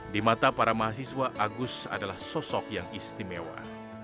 di mata para mahasiswa agus adalah sosok yang istimewa